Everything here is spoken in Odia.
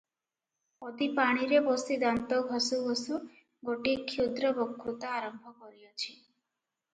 ପଦୀ ପାଣିରେ ବସି ଦାନ୍ତ ଘଷୁ ଘଷୁ ଗୋଟିଏ କ୍ଷୁଦ୍ର ବକ୍ତୃତା ଆରମ୍ଭ କରିଅଛି ।